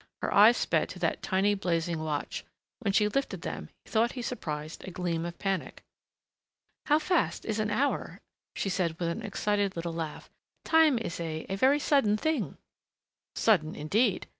Her eyes sped to that tiny, blazing watch; when she lifted them he thought he surprised a gleam of panic. "How fast is an hour!" she said with an excited little laugh. "Time is a a very sudden thing!" Sudden, indeed!